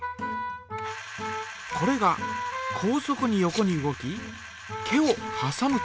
これが高速に横に動き毛をはさむと。